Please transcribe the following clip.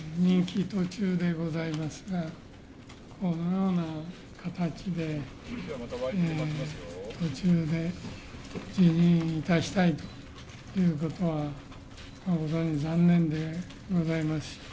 任期途中でございますが、このような形で途中で辞任いたしたいということは誠に残念でございます。